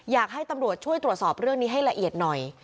อยากให้ตำรวจช่วยตรวจสอบเรื่องนี้ให้ละเอียดหน่อย